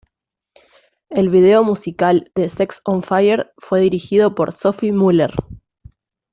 El vídeo musical de "Sex on Fire" fue dirigido por Sophie Muller.